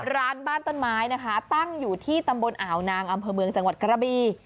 ร้านบ้านต้นไม้นะคะตั้งอยู่ที่ตำบลอ่าวนางอำเภอเมืองจังหวัดกระบี